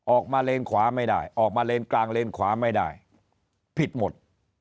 เลนขวาไม่ได้ออกมาเลนกลางเลนขวาไม่ได้ผิดหมด